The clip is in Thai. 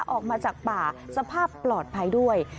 ออกมาจากป่าสภาพปลอดภัยด้วย